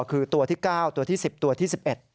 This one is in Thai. คือตัวที่๙ตัวที่๑๐ตัวที่๑๑